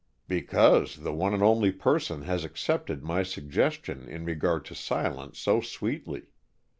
"Because the one and only person has accepted my suggestion in regard to silence so sweetly.